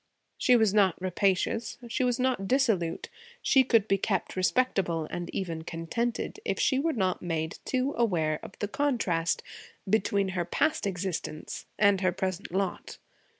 She was not rapacious; she was not dissolute; she could be kept respectable and even contented if she were not made too aware of the contrast between her past existence and her present lot.